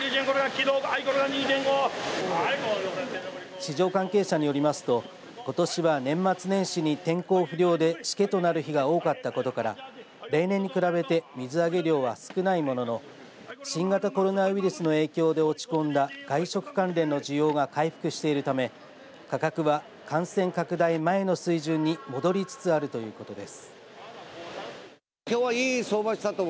市場関係者によりますとことしは年末年始に天候不良でしけとなる日が多かったことから例年に比べて水揚げ量は少ないものの新型コロナウイルスの影響で落ち込んだ外食関連の需要が回復しているため価格は感染拡大前の水準に戻りつつあるということです。